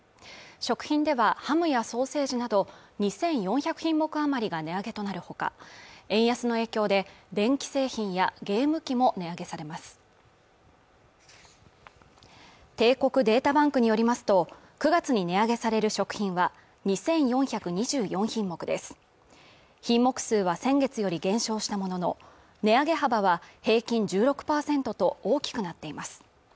食品ではハムやソーセージなど２４００品目余りが値上げとなるほか円安の影響で電気製品やゲーム機も値上げされます帝国データバンクによりますと９月に値上げされる食品は２４２４品目です品目数は先月より減少したものの値上げ幅は平均１６％と大きくなっています